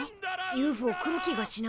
ＵＦＯ来る気がしない。